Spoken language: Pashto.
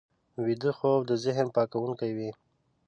ویده خوب د ذهن پاکوونکی وي